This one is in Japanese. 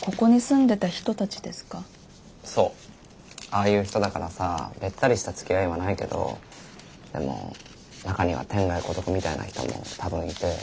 ああいう人だからさベッタリしたつきあいはないけどでも中には天涯孤独みたいな人も多分いて。